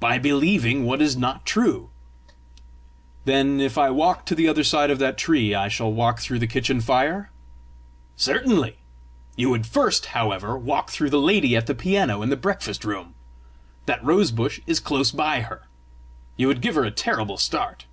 "By believing what is not true." "Then, if I walk to the other side of that tree, I shall walk through the kitchen fire?" "Certainly. You would first, however, walk through the lady at the piano in the breakfast room. That rosebush is close by her. You would give her a terrible start!"